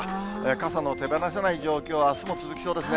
傘の手離せない状況、あすも続きそうですね。